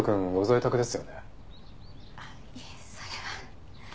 いえそれは。